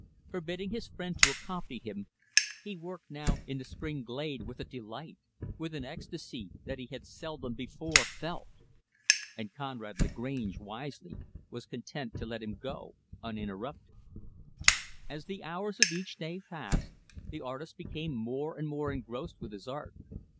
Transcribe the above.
Forbidding his friend to accompany him, he worked now in the spring glade with a delight with an ecstasy that he had seldom, before, felt. And Conrad Lagrange, wisely, was content to let him go uninterrupted. As the hours of each day passed, the artist became more and more engrossed with his art.